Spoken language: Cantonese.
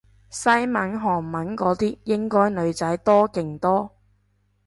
西文韓文嗰啲應該女仔多勁多